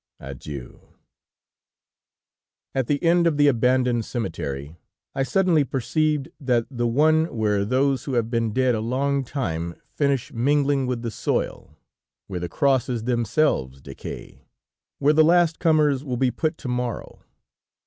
Adieu! "At the end of the abandoned cemetery, I suddenly perceived that the one where those who have been dead a long time finish mingling with the soil, where the crosses themselves decay, where the last comers will be put to morrow.